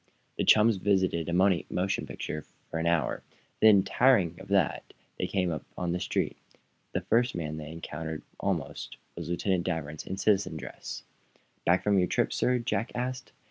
The chums visited a moving picture show for an hour. Then, tiring of that, they came out into the street. The first, man they encountered, almost, was Lieutenant Danvers, in citizen dress. "Back from your trip, sir?" Jack asked.